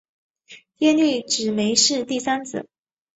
耶律只没是第三子。